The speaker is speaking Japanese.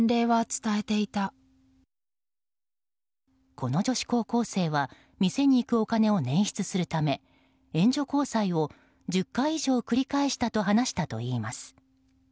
この女子高校生は店に行くお金を捻出するため援助交際を１０回以上繰り返したと話したといいます。